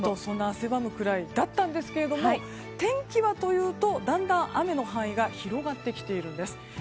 汗ばむくらいだったんですけど天気はというとだんだん雨の範囲が広がってきているんです。